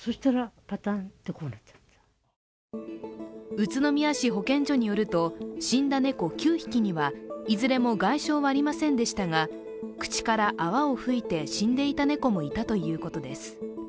宇都宮市保健所によると死んだ猫９匹にはいずれも外傷はありませんでしたが口から泡を吹いて死んでいた猫もいたということです。